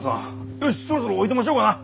よしそろそろおいとましようかな。